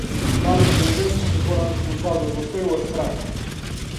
Fálase de demos que foran expulsados do ceo ás fragas.